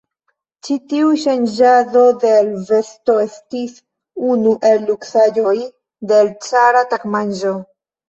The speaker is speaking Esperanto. Ĉi tiu ŝanĝado de l' vesto estis unu el luksaĵoj de l' cara tagmanĝo.